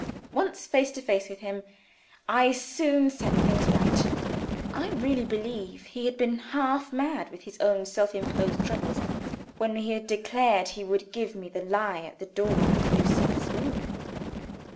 Once face to face with him, I soon set things right. I really believe he had been half mad with his own self imposed troubles, when he had declared he would give me the lie at the door of Lucilla's room.